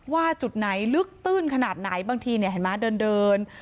ว่าจุดไหนลึกตื้นขนาดไหนบางทีเห็นไหมเดิน